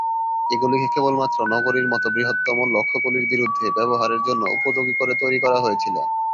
এগুলিকে কেবলমাত্র নগরীর মতো বৃহত্তম লক্ষ্যগুলির বিরুদ্ধে ব্যবহারের জন্য উপযোগী করে তৈরি করা হয়েছিল।